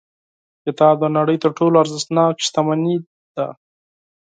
کتاب د نړۍ تر ټولو ارزښتناک شتمنۍ ده.